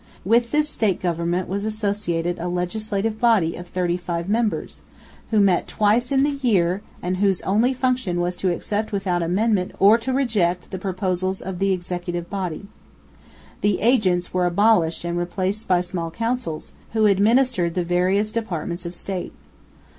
With this State Government was associated a Legislative Body of 35 members, who met twice in the year and whose only function was to accept without amendment, or to reject, the proposals of the Executive Body. The "agents" were abolished and replaced by small councils, who administered the various departments of State.